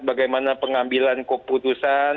bagaimana pengambilan keputusan